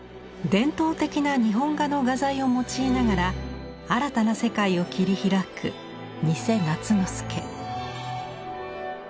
伝統的な日本画の画材を用いながら新たな世界を切り開く三瀬夏之介。